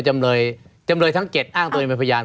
ไม่มีครับไม่มีครับ